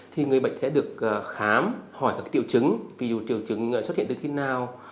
thì người bệnh sẽ được khám hỏi các triệu chứng ví dụ triệu chứng xuất hiện từ khi nào